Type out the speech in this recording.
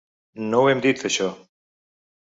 No ho hem dit, això.